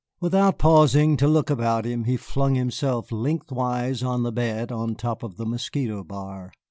Without pausing to look about him, he flung himself lengthwise on the bed on top of the mosquito bar.